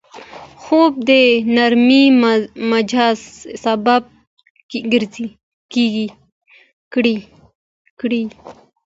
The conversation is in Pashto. خوب د نرم مزاج سبب کېږي